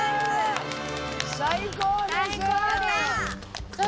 最高です。